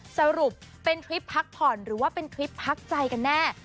สรุปเป็นทริปพักผ่อนหรือว่าเป็นทริปพักใจกันแน่